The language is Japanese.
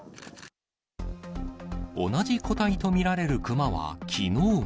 同じ個体と見られるクマはきのうも。